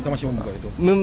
masih membuka itu